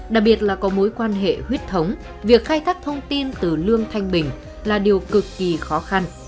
đặc biệt là có mối quan hệ huyết thống việc khai thác thông tin từ lương thanh bình là điều cực kỳ khó khăn